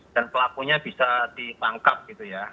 dan pelakunya bisa ditangkap gitu ya